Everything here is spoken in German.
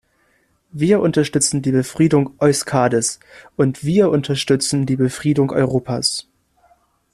Wir unterstützen die Befriedung Euskadis, und wir unterstützen die Befriedung Europas.